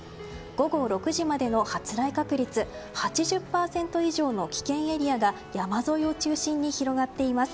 午後６時までの発雷確率８０％以上の危険エリアが山沿いを中心に広がっています。